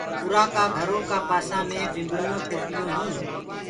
اُرآ ڪآ گھرو ڪآ پآسآ مي ڀمڀڻونٚ ڦرديونٚ هينٚ۔